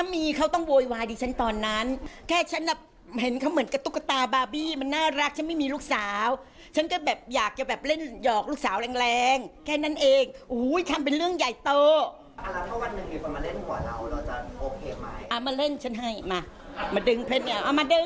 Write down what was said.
มาเล่นฉันให้มามาดึงเพลงเอามาดึงซะเถอะ